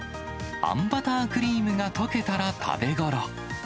あんバタークリームがとけたら、食べごろ。